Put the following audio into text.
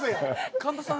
神田さん